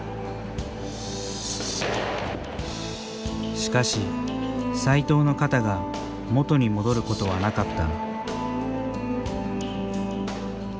しかし、斎藤の肩が元に戻ることはなかった。